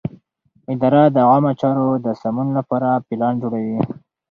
اداره د عامه چارو د سمون لپاره پلان جوړوي.